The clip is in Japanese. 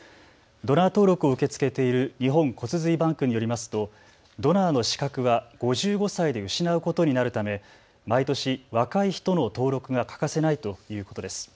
ドナー登録を受け付けている日本骨髄バンクによりますとドナーの資格は５５歳で失うことになるため毎年、若い人の登録が欠かせないということです。